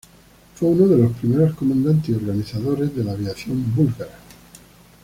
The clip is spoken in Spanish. Fue uno de los primeros comandantes y organizadores de la aviación búlgara.